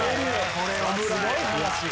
これはすごい！